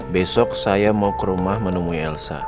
besok saya mau ke rumah menemui elsa